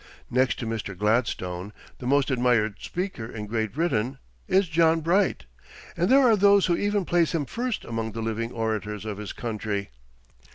Next to Mr. Gladstone, the most admired speaker in Great Britain is John Bright, and there are those who even place him first among the living orators of his country.